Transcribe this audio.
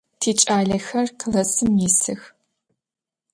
Тикӏалэхэр классым исых.